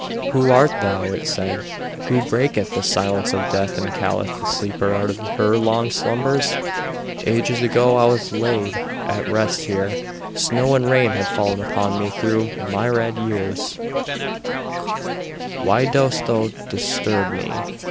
"Who art thou?" it said. "Who breaketh the silence of death, and calleth the sleeper out of her long slumbers? Ages ago I was laid at rest here, snow and rain have fallen upon me through myriad years; why dost thou disturb me?"